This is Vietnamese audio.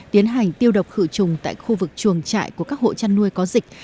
tiến hành tiêu độc khử trùng tại khu vực chuồng trại của các hộ chăn nuôi có dịch